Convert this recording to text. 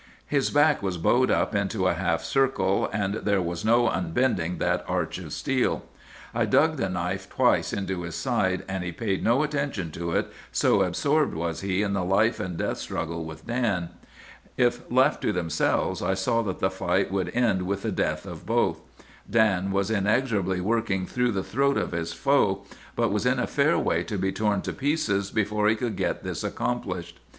"'His back was bowed up into a half circle, and there was no unbending that arch of steel. "'I dug the knife twice into his side, and he paid no attention to it, so absorbed was he in the life and death struggle with Dan. If left to themselves I saw that the fight would end with the death of both. Dan was inexorably working through the throat of his foe, but was in a fair way to be torn to pieces before he could get this accomplished.